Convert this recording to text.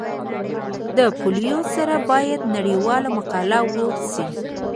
د پولیو سره باید نړیواله مقابله وسي